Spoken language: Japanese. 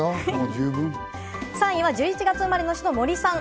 ３位は１１月生まれの方、森さん。